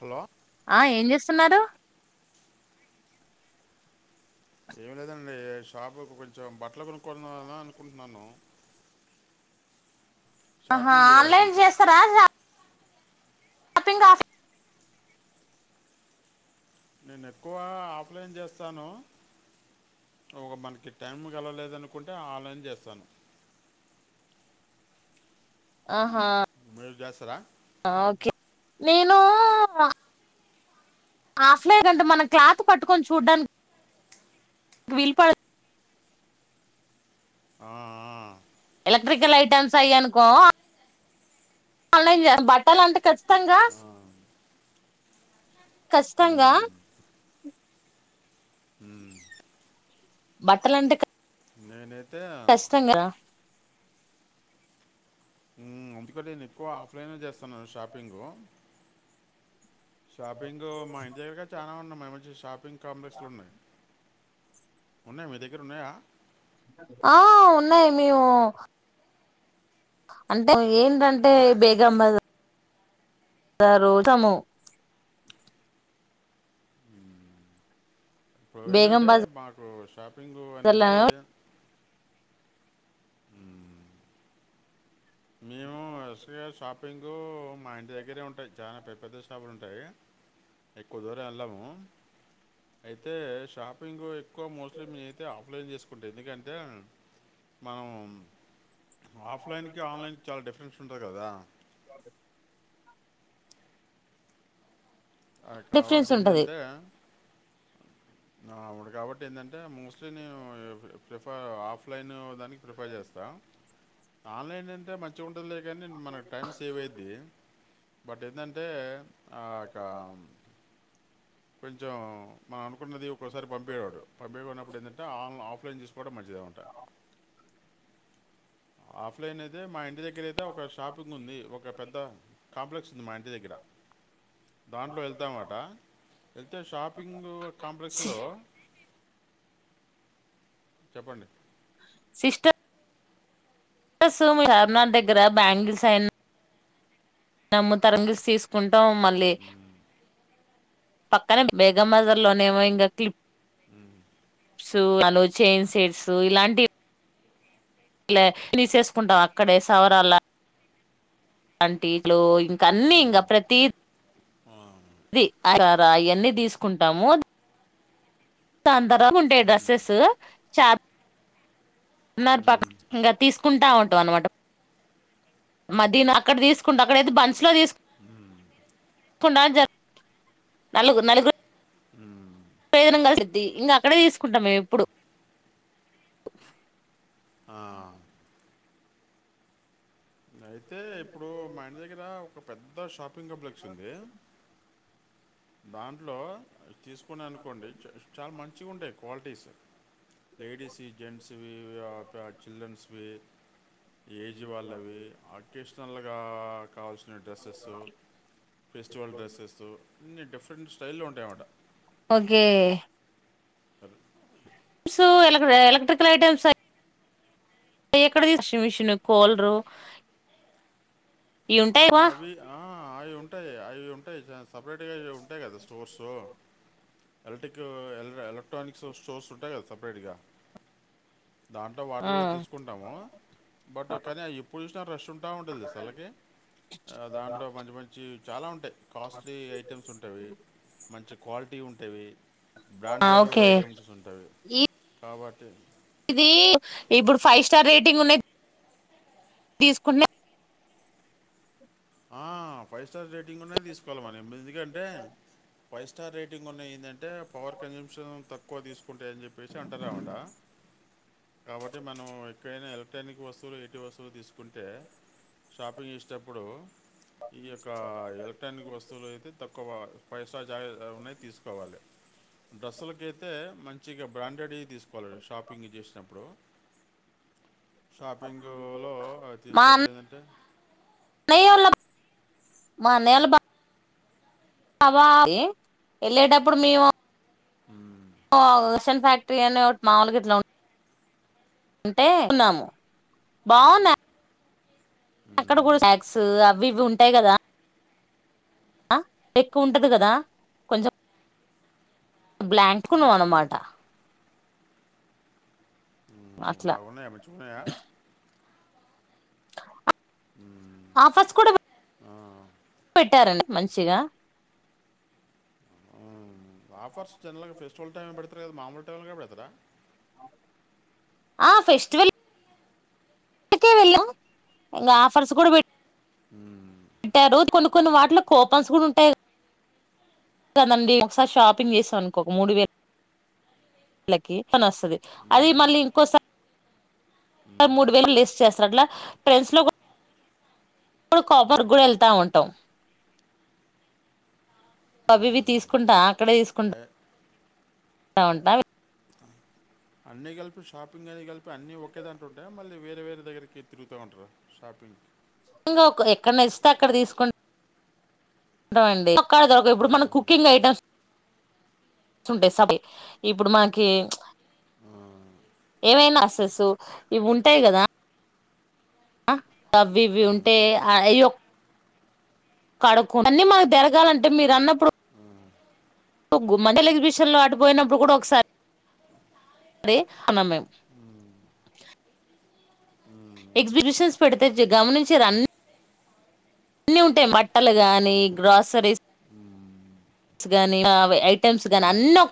Hello ఆ ఏం చేస్తున్నారు? ఏమి లేదండి షాపు కు కొంచెం బట్టలు కొనుక్కన్నా నన్న అనుకుంటున్నాను. ఆహా షాపింగ్ చేయాలి ఆన్లైన్ కొంచెం చేస్తారా షాప్, షాపింగ్ ఆఫ్ నేను ఎక్కువ ఆఫ్లైన్ చేస్తాను. ఒక మనకి టైం కలవలేదనుకుంటే ఆన్లైన్ చేస్తాను ఆహా, మీరు చేస్తారా ఓకే, నేను, వా ఆఫ్లైన్ కెళ్తే మనకి క్లాత్ పట్టుకొని చూడ్డానిక్ క్విల్ ప్ ఆ ఎలక్ట్రికల్ ఐటమ్స్ అయ్యినుకో అల్లే చేస్ బట్టలు అంటే ఖచ్చితంగా ఆ. కష్టంగా ఉమ్, ఉమ్. బట్టల అంటే కచ్ నేనే కష్టంగా గా హ్మ్ ఎందుకంటే, నేను ఎక్కువ ఆఫ్లైన్ చేస్తున్నాను షాపింగు. షాపింగ్ మా ఇంటి దగ్గరగా చానా ఉన్నాయి. మరి మంచి షాపింగ్ కాంప్లెక్స్లు ఉన్నాయి. ఉన్నాయి. మీ దగ్గర ఉన్నాయా? ఆ ఉన్నాయి. మేము అంటే ఏంటంటే బేగం బజార్ రారు సాము ఇప్పుడు బేగం ఏండంటే బజార్ మాకు షాపింగు లో అనేది ఉమ్, మేము S V R shop shopping మా ఇంటి దగ్గరే ఉంటాయి. చానా పెద్ద పెద్ద షాపులు ఉంటాయి. ఎక్కువ దూరం వెళ్ళము. అయితే షాపింగు ఎక్క్ ఎక్కువ మోస్ట్లీ మే అయితే, ఆఫ్లైన్ చేసుకుంటే ఎందుకంటే, మనం ఆఫ్లైన్ కి ఆన్లైన్ కి చాలా డిఫరెన్స్ ఉంటది కదా ఆ అద్ డిఫరెన్స్ కాబట్టి ఉంటది ఏంటంటే అవుడు కాబట్టి ఏంటంటే, మోస్ట్లీ నేను, ప్రిఫర్ ఆఫ్లైన్ దానికి, ప్రిఫర్ చేస్తాం. ఆన్లైన్ అంతే మంచిగా ఉంట్ ఉంటదిలే కాని మన టైం సేవ అయింది. బట్ ఏండంటే ఆ కొంచెం మనం అనుకున్నది ఒకోక్కసారీ పంపియావాడు పంపియన్నప్పుడు ఏంటంటే ఆన్ ఆఫ్లైన్ తిసుకోవడం మంచిది దే ఉంటాయ్ ఆఫ్లైన్ అయితే మా ఇంటి దగ్గర్ దగ్గర అయితే ఒక షాపింగ్ ఉంది. ఒక పెద్ద కాంప్లెక్స్ ఉంది. మా ఇంటి దగ్గర. దాంట్లో వెళ్తాన్నమాట. వెళ్తే షాపింగ్ కాంప్లెక్స్ లో చెప్పండి సిస్టర్ కోస్తాం చార్మినార్ దగ్గర బ్యాంగిల్స్ అయ్యన్నీ నమ్ముతరంగా ఈస్ తీసుకుంటాం మళ్ళీ మ్మ్, పక్కనే బేగం బజార్ లోనేమో ఇగ క్లిప్పు మ్మ్, సో వాళ్లు చైన్స్ వేస్తూ ఇలాంటి ఇలా తీసేసుకుంటాం అక్కడే సవరాల వంటికలో ఇంకా అన్నిీ ఇంకా మ్మ్, ప్రతీ ఆ, అది ఆడాడ అన్ని తీసుకుంటాము అందరం ఉండే డ్రెస్సెస్ చా అన్నారు మ్మ్, పాపం ఇంగ తీసుకుంటా ఉంటాం అన్నమాట మదీనా అక్కడ తీసుకుంటా అక్కడైతే బంచులో తీసు కుండా జర్ నలుగు నాలుగు మ్మ్, పేర్న కలిసిది ఇంకా అక్కడే తీసుకుంటాం మేము ఏప్పుడు ఆ అయితే ఇప్పుడు మా ఇంటి దగ్గర ఒక పెద్ద షాపింగ్ కంప్లెక్స్ ఉంది దాంట్లో తీసుకూన అనుకోండి చ చాలా మంచిగా ఉంటాయి క్వాలిటీస్ లేడీస్ వి జన్స్ వి చిల్డ్రన్స్ వి ఏజ్ వాళ్ళవి అకేషనల్గా కావాల్సిన డ్రెస్సెస్ ఫెస్టివల్ డ్రెస్సెస్ అన్ని డిఫరెంట్ స్టైల్లో ఉంటాయన్నమాట ఓకే అది సో ఎ ఎలక్ట్రికల్ ఐటెమ్స్ ఎక్కడ తీస్ మీసిండో కూలర్ ఆ, అవి అవి ఉంటాయి అవి ఉంటాయి చ సపరేట్గా ఇవి ఉంటాయి కదా స్టోర్సు లో ఎలక్ట్రిక్ ఎ ఎలక్ట్రానిక్స్ స్టోర్స్ ఉంటాయి కదా సపరేట్గా దాంట్లో ఆ వాటిల్లో తీసుకుంటాము బట్ కానీ ఎప్పుడు చూసినా రెష్ట్ ఉంటు ఉంటా ఉంటది తెలుసా వాళ్లకి దాంట్లో మంచి మంచి వి చాలా ఉంటాయి కాస్ట్లీ ఐటమ్స్ ఉంటావి మంచి క్వాలిటీ ఉంటేవి ఆ బ్రాండెడ్ ఓకే ఐటెమ్స్ ఉంటాయి కాబట్టి ఇది ఇప్పుడు ఫైవ్ స్టార్ రేటింగ్ ఉన్నా తీసుకున్న ఆ ఫైవ్ స్టార్ రేటింగ్ ఉన్నాయిది తీసుకోవాలి మరి ఎనిమిది ఎందుకంటే ఫైవ్ స్టార్ రేటింగ్ ఉన్నాయి ఏందంటే అంటే పవర్ కన్జూప్షన్ తక్కువ తీసుకుంటాయి అని చెప్పి [unintelligible] కాబట్టి మనం ఎక్కడైనా ఎలక్ట్రానిక్ వస్తువులు ఇంటి వస్తువులు తీసు కుంటే షాపింగ్ చేసేటప్పుడు ఈ యొక్క ఎలక్ట్రానిక్ వస్తువులు అయితే తక్కువ ఎస్ట్రా జ ఉన్నాయి తీసుకోవాలి డ్రెస్సులకయితే మంచి మచ్చిగా బ్రాండెడ్ తీసుకోవాల షాపింగ్ చేసినప్పుడు షాపింగ్ లో మా తీసేటప్పుడు ఏందంటే [inaudible] అబ వెళ్ళేటప్పుడు మేము "మ్మ్, స్ ఫ్యాక్టరీ అనే ఒ మామూలు గిట్ల అంటే న్నాము బాగున్నాయి అక్కడ కూడా మ్మ్, స్నాక్స్ అవి ఇవి ఉంటాయి కదా ఎక్కువ ఉంటది కదా కొంచెం బ్లాక్ ఉన్నవ్ మ్మ్, అన్నమాట మ్మ్ అట్లా బాగున్నాయా మంచిగున్నాయా మ్మ్, ఆఫర్స్ కూడా ఆ, పెట్టారండి మంచిగా మ్మ్." ఆఫర్స్ జల్ ఫెస్టివల్ టైమ్ లో పెడతారు కదా మామూలు టైం లో కూడా పెడతారా ఆ ఫెస్టివల్ కే వెళ్ళాం ఇంకా ఆఫర్స్ కూడా బ ఉ పెట్టేరు కొన్ని కొన్ని వాటిలు కూపన్స్ కూడా ఉంటాయి కదండి ఒకసారి షాపింగ్ చేసాం అనుకో మూడు వేల వేలకి వస్తుంది అది మ్మ్, మళ్ళీ ఇంకోసారి మూడు వేలు లెస్ చేస్తారు అట్లా ట్రెండ్స్ లో ఇప్పుడు కాపర్ కూడా వెళ్తా ఉంటాం అవివి మ్మ్." తీసుకుంటా అక్కడే తీసుకుం ఏ, ఉంటాయి అన్నిీ కలిపి షాపింగ్ అని కలిపి అన్ని ఒకే దాంట్లో ఉంటాయా మళ్ళీ వేరే వేరే దగ్గరికి తిరుగుతూ ఉంటారా షాపింగ్ అ గా ఎక్కడన నచ్చితే అక్కడ తీసుకుం ఉంటామండి కాదు మనకి ఇప్పుడు మనం కుకింగ్ ఐటమ్స్ ఉండేసవి ఇప్పుడు మనకి "మ్మ్, ఏమైనా అసెస్సు ఇవి ఉంటాయి గదా అ అవి ఇవి మ్మ్, ఉంటే అయ్యొ కడుకు అన్నీ మాకు తిరగాలంటే మీరు అన్నప్పుడు మజల ఎగ్జిబిషన్ లో అటపోయినప్పుడు కూడా ఒకసారి అరే అమమే ఎగ్జిబిషన్స్ పెడితే గమనించి రన్న అన్నీ ఉంటాయి మట్టలు గాని గ్రాసరీస్ మ్మ్, స్ గానీ ఐటెమ్స్ గానీ అన్నీ మ్మ్, ఒ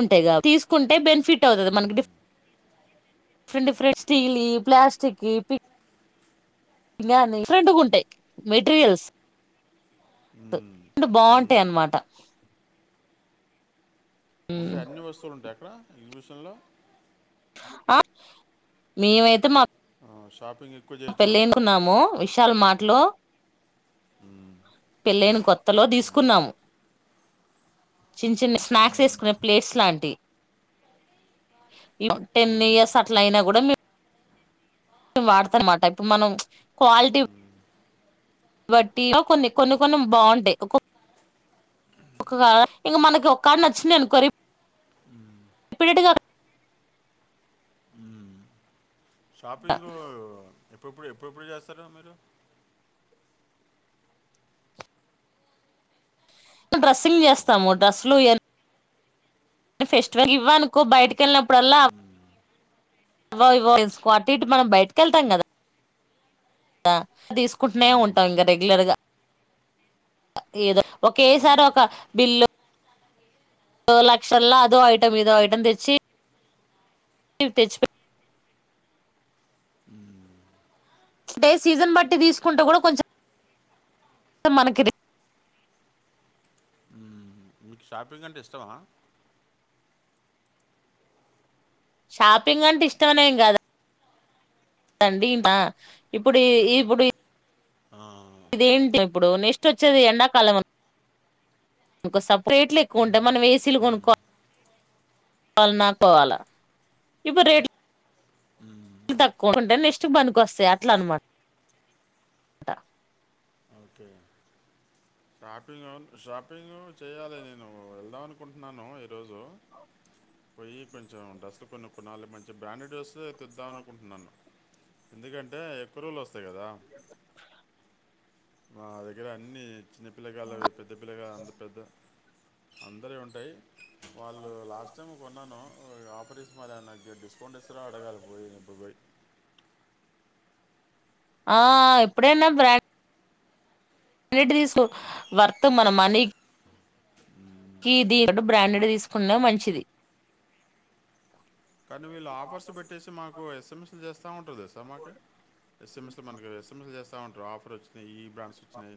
ఉంటాయి తీసుకుంటే బెనిఫిట్ అవుతుంది మనకి diff different different steel plastic పి డిఫరెంట్గాంటాయి మెటీరియల్స్ మ్మ్, అండు బాగుంటాయి మ్మ్." అన్నమాట మ్ ఉంటాయి అన్ని వస్తువులు ఉంటాయి అక్కడ ఎగ్జిబిషన్లో ఆ మేమైతే మా షాప్ మా పెళ్ళ ఎనుుకున్నాము విశాల మాటలు ఉమ్ పెళ్ళైన కొత్తలో తీసుకున్నాము చిన్న చిన్న స్నాక్స్ వేసుకునే ప్లేట్స్ లాంటి టెన్ ఇయర్స్ అట్ల అయినా కూడా వాడతా అన్నమాట ఇప్పుడు మనం క్వాలిటీ కాబట్టి కొన్ని కొన్ని కొన్ని బాగుంటాయి ఒక ఇంక మనకి ఒకక్కడ నచ్చింది అనుకోరి రిపీటెడ్గా షాపింగు ఎప్పుడుప్పుడు ఎప్పుడప్పుడు చేస్తార మీరు డ్రెస్సింగ్ చేస్తాము డ్రెస్సులు నను ఫెస్టివల్ ఇవ్వనుకో బయటకెళ్ళినప్పుడల్లా ఇవో అవో అటు ఇటు మనం బయటకి వెళ్తాం కదా తీసుకుంటూనే ఉంటాం ఇంకా రెగ్యులర్గా ఏదో ఒకేసారి ఒక బిల్లు లక్షలా అదో ఐటం ఇదో ఐటం తెచ్చి తెచ్చిపెట్ డే సీజన్ బట్టి తీసుకుంటూ కూడా కొంచెం మనకి ర మీకు షాపింగ్ అంటే ఇష్టమా షాపింగ్ అంటే ఇష్టమనేం గాదా. తండి ఆ ఇప్పుడు ఈ ఇప్పుడు ఈ. ఆ, ఇదేంటి ఇప్పుడు నెక్స్ట్ వచ్చేది ఎండాకాలం. ఇంకో సపరేట్లు ఎక్కువ ఉంటాయి మనం వేసిలు మ్మ్, కొనుక్కోాలి. కావాల నాకోవాలా ఇప్పుడు రేట్లు. మ్మ్. తక్కువకుంటే నెక్స్ట్ బనికి వస్తాయి అట్లా అనమాట. [unintelligible] ఓకే [unintelligible] షాపింగ్ షాపింగ్ చేయ్యాలి. నేను వెళ్దాం అనుకుంటున్నాను ఈరోజు. పోయి కొంచెం డ్రసలు కొన్నప్పుడు నాలుగు మంచి బ్రాండెడ్ వస్తే తెద్దాం అనుకుంటున్నాను ఎందుకంటే ఎక్కువ రోలు వస్తాయి కదా. మా దగ్గర అన్ని చిన్నపిల్లగాళ్ళ పెద్ద పిల్లగా అంత పెద్ద. అందరి యీ ఉంటాయి, వాళ్ళు లాస్ట్ టైం కొన్నాను ఆఫర్ ఇస్త. మరి నాకు డిస్కౌంట్ ఇస్తారో. అడగాలి ఇప్పుడు పోయి. ఆ ఎప్పుడేనా బ్రాం. అన్నిటి తీసుకు వర్త్ మన మనీకి. కి ది బ్రాండెడ్ తీసుకున్న మంచిది. కానీ వీళ్ళు ఆఫర్స్ పెట్టేసి మాకు ఎస్ఎంఎస్లు చేస్తా. ఉంటు. ఎస్సమ్మ అంటే ఎస్ఎంఎస్ మనకిఎస్ఎంఎస్ చేస్తామంటారు. ఆఫర్ వచ్చినాయి. ట్రాన్సిషన్,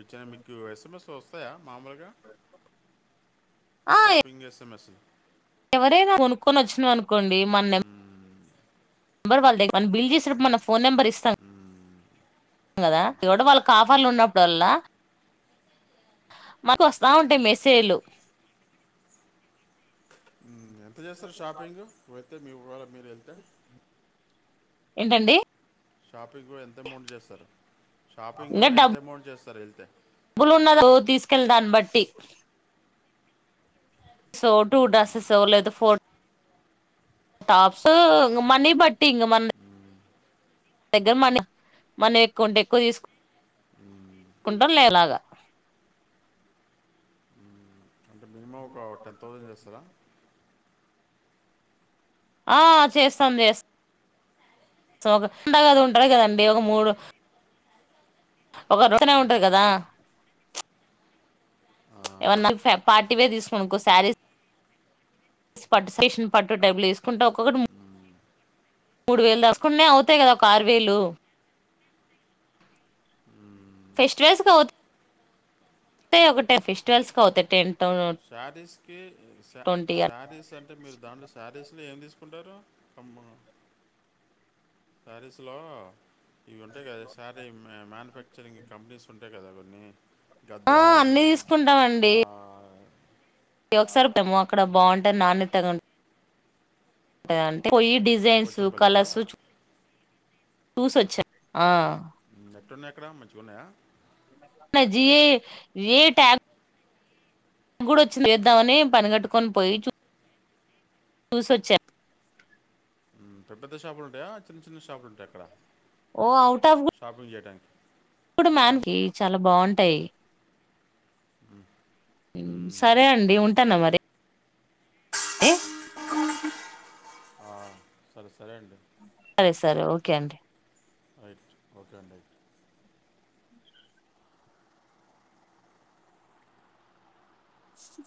వచ్చినా మీకు ఎస్ఎంఎస్ వస్తాయా. మామూలుగా ఆ షాపింగ్ ఎస్ఎంఎస్. ఎవరైనా కొనుక్కొని వచ్చినా. అనుకోండి మన నె. నంబర్ వాళ్ళదే మన బిల్ చేసేప్పుడు మ న ఫోన్ నంబర్ ఇస్తాం. కదా వాళ్ళ కాఫర్లు ఉన్నప్పుడో లా. మాకు వస్తా ఉంటాయి. మెసేజ్లు. మ్మ్ ఎంత చేస్తారు. షాపింగ్ వేలితే మీ వాళ్ళు. [unintelligible] ఏంటండి. షాపింగ్ ఎంత అమౌంట్ చేస్తారు. షాపింగ్ ఎంత అమౌంట్ చేస్తారు. వెళ్తే. డాబ్బులున్నదో తీసుకెళ్ళ దాన్ని బట్టి. సో టూ డసెస్ లేదో ఫోర్. టాప్స్ ఇంకా మని బట్టి ఇంకా మా. దగ్గర మన మనం ఎక్కువ ఉంటే. ఎక్కువ తీసుకు. మ్మ్. కుంటంలేలాగా. ఆ టెన్ థౌజండ్ చేస్తారా. ఆ చేస్తాం. చేస్తాం. [unintelligible] ఒక రోటనే ఉంటాది కదా. ఆ. ఎవన్నా పార్టీ వేర్ తీసుకునినుకో శారీస్. పట్టు సేషన్ పట్టు టైబులు వసుకుంట. ఒక్కొక్కటి మూడు వేలు దాసుకుంటనే అవుతాయి. కదా ఒక ఆరు వేలు. ఫెస్టివల్స్ అవుత. అ ఒక్కటే ఒకటే ఫెస్టివల్స్ అవుత టెన్. ట్వంటీ శారీస్ కి అ శారీస్ అంటే మీరు దాంట్లో శారీస్. అసలు ఏం తీసుకుంటారు. అమ్మ సారీస్ లో ఇవి ఉంటాయి. కదా సారి మ్యానుఫ్యాక్చరింగ్ కంపెనీస్ ఉంటాయి. కదా కొన్ని. ఆ గద్వాల్ అన్ని లని. ఇది ఒకసారిమో అక్కడ బాగుంటే. నాన్న ఇతడు గాని. అంటే పోయి డిజైన్స్ పోచంపల్లి కలర్సు. చూసొచ్చా, ఆ. ఎట్లున్నయి అక్కడ మంచిగా ఉన్నాయా. జీ ఏ టైప్ గూడోచ్చింది ఎద్దామని పనిగట్టుకొని పోయి చు చూసొచ్చా హ్మ్ పెద్ద పెద్ద షాపులు ఉంటాయా చిన్న చిన్న షాపులు ఉంటాయా అక్కడ ఓ అఔటఫ్ షాపింగ్ చేయడానికి ఇప్పుడు మ్యాన్ కి చాలా బాగుంటాయి ఆ సరే అండి ఉంటాన మరి ఏ ఆ ఆ సరే సరే అండి సరే సరే ఓకే అండి. రైట్ ఓకే అండి రైట్ స